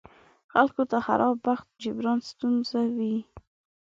خلکو ته خراب بخت جبران ستونزمن وي.